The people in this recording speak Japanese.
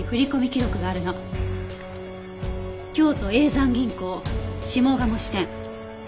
京都叡山銀行下賀茂支店。